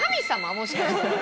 もしかして。